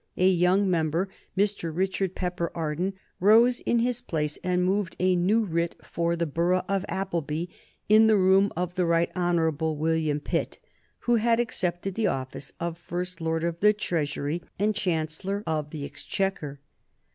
A young member, Mr. Richard Pepper Arden, rose in his place and moved a new writ for the borough of Appleby, in the room of the Right Honorable William Pitt, who had accepted the office of First Lord of the Treasury and Chancellor of the Exchequer.